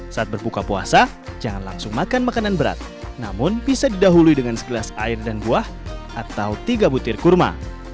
saat berbuka puasa jangan langsung makan makanan berat namun bisa didahului dengan segelas air dan buah atau tiga butir kurma